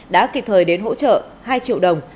đã kịp thời đến hỗ trợ hai triệu đồng